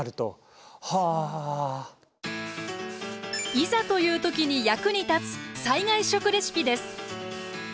いざという時に役に立つ災害食レシピです。